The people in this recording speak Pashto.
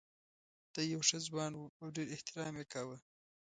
دی یو ښه ځوان و او ډېر احترام یې کاوه.